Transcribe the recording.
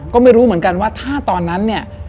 ก็ไม่รู้เหมือนกันว่าถ้าตอนนั้นเนี่ย